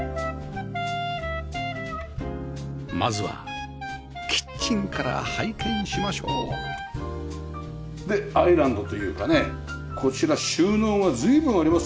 まずはキッチンから拝見しましょうでアイランドというかねこちら収納が随分ありますよね。